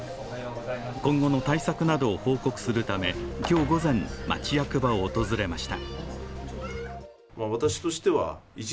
今後の対策などを報告するため今日午前、町役場を訪れました。